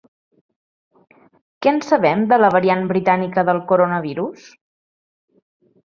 Què en sabem, de la variant britànica del coronavirus?